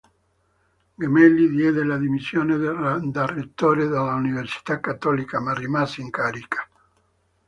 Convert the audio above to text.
Gemelli diede le dimissioni da Rettore della Università Cattolica ma rimase in carica.